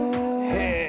へえ！